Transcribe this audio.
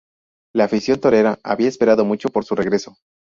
La afición "torera" había esperado mucho por su regreso.